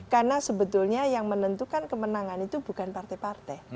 karena sebetulnya yang menentukan kemenangan itu bukan partai partai